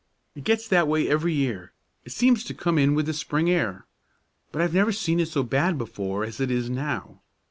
It gets that way every year, it seems to come in with the spring air; but I've never seen it so bad before as it is now.